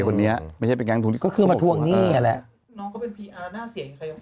คนนี้ไม่ใช่เป็นแก๊งทวงหนี้ก็คือมาทวงหนี้อ่ะแหละน้องก็เป็นพีอาร์หน้าเสียงใคร